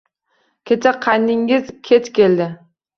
Kecha qayningiz kech keldi